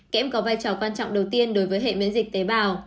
kém có vai trò quan trọng đầu tiên đối với hệ miễn dịch tế bảo